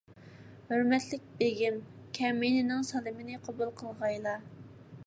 ھۆرمەتلىك بېگىم، كەمىنىنىڭ سالىمىنى قوبۇل قىلغايلا.